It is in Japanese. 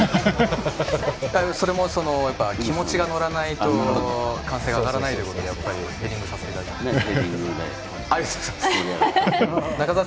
それも気持ちが乗らないと歓声が上がらないということでやっぱり、ヘディングさせていただきました。